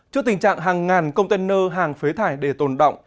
trước tình trạng hàng ngàn container hàng phế thải để tồn động